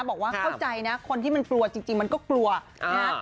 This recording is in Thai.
บอกว่าเข้าใจนะคนที่มันกลัวจริงมันก็กลัวนะ